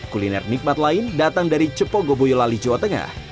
kuliner nikmat lain datang dari cepo goboyolali jawa tengah